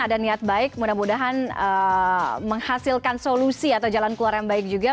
ada niat baik mudah mudahan menghasilkan solusi atau jalan keluar yang baik juga